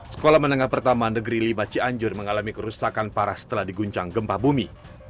sekolah menengah pertama negeri lima cianjur mengalami kerusakan parah setelah diguncang gempa bumi